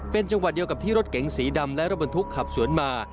เป็นจังหวัดเดียวกับที่รถเก๋งสีดำและรถบรรทุกขับสวนมา